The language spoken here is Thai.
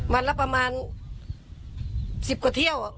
วันละประมาณ๑๐กว่าเที่ยว